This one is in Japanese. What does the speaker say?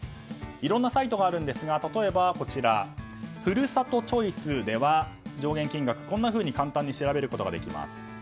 いろんなサイトがあるんですが例えば、ふるさとチョイスでは上限金額がこんなふうに簡単に調べることができます。